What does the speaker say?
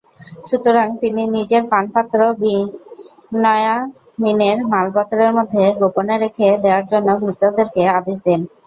সুতরাং তিনি নিজের পানপাত্র বিনয়ামীনের মালপত্রের মধ্যে গোপনে রেখে দেয়ার জন্যে ভৃত্যদেরকে আদেশ দেন।